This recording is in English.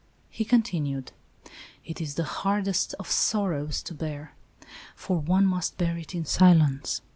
He continued, " It is the hardest of sorrows to bear, for one must bear it in silence.